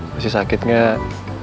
masih sakit gak